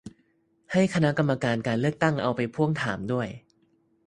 ให้คณะกรรมการการเลือกตั้ง เอาไปพ่วงถามด้วย